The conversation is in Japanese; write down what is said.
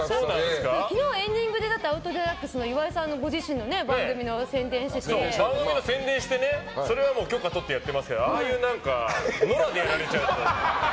昨日、エンディングで「アウト×デラックス」の岩井さんの番組の宣伝してそれは許可とってやってますけどああいう、野良でやられちゃうと。